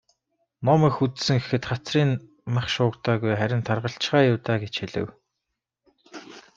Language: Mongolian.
"Ном их үзсэн гэхэд хацрын нь мах шуугдаагүй, харин таргалчихаа юу даа" гэж хэлэв.